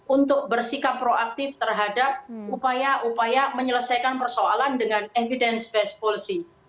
untuk bersikap proaktif terhadap upaya upaya menyelesaikan persoalan dengan evidence based policy